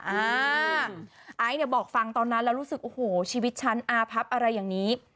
ไอซ์เนี่ยบอกฟังตอนนั้นแล้วรู้สึกโอ้โหชีวิตฉันอาพับอะไรอย่างนี้